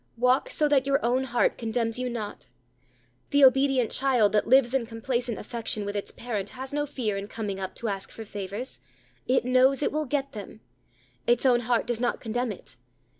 Walk so that your own heart condemns you not. The obedient child that lives in complacent affection with its parent has no fear in coming up to ask for favors. It knows it will get them. Its own heart does not condemn it.